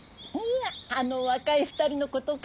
あの若い２人のことか？